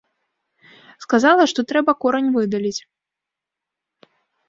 Сказала, што трэба корань выдаліць.